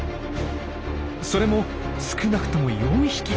それも少なくとも４匹！